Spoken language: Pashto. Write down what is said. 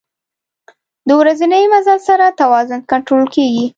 د ورځني مزل سره وزن کنټرول کېږي.